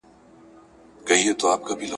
چي زینبه پکښی وراره چي سرتوره درخانۍ ده `